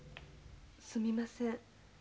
すみません。